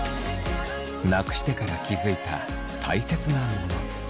なくしてから気付いたたいせつなもの。